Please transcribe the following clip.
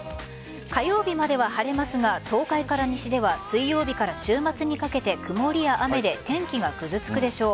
火曜日までは晴れますが東海から西では水曜日から週末にかけて曇りや雨で天気がぐずつくでしょう。